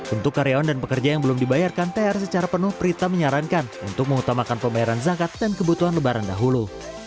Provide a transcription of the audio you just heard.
untuk karyawan dan pekerja yang belum dibayarkan thr secara penuh prita menyarankan untuk mengutamakan pembayaran zakat dan kebutuhan lebaran dahulu